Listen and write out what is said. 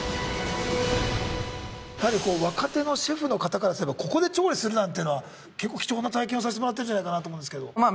やはり若手のシェフの方からすればここで調理するなんていうのは結構貴重な体験をさしてもらってるんじゃないかなと思うんですけどまあ